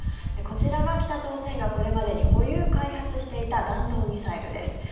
こちらが北朝鮮がこれまでに保有・開発していた弾道ミサイルです。